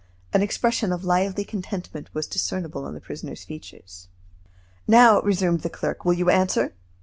An expression of lively contentment was discernible on the prisoner's features. "Now," resumed the clerk, "will you answer?"